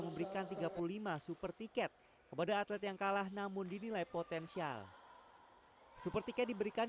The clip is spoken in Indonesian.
memberikan tiga puluh lima super tiket kepada atlet yang kalah namun dinilai potensial super tiket diberikan